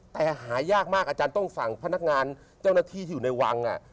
แต่หายากมากอาจารย์ต้องสั่งพนักงานเจ้าหน้าที่ที่อยู่ในวัง